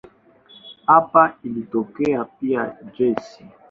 Hapa ilitokea pia gesi.